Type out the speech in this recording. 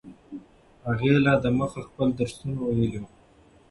هغه لا دمخه خپل درسونه ویلي وو.